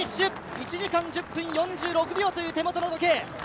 １時間１０分４６秒という手元の時計。